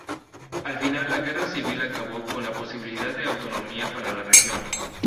Al final, la Guerra Civil acabó con la posibilidad de autonomía para la región.